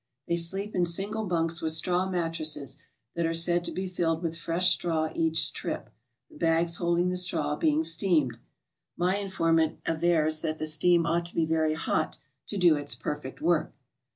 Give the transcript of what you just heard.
They sleep in single bunks with straw mattresses that are said to be filled with fresh straw each trip, the bags holding the straw being steamed. My informant avers that the steam ought to be very hot to do its perfect work!